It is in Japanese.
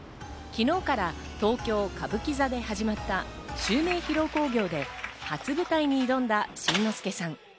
昨日から東京・歌舞伎座で始まった襲名披露興行で、初舞台に挑んだ新之助さん。